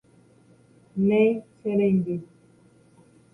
Néi che reindy.